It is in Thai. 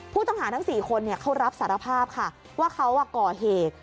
ผู้ต้องหาทั้ง๔คนเขารับสารภาพค่ะว่าเขาก่อเหตุ